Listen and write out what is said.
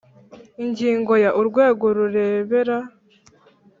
Ingingo ya urwego rureberera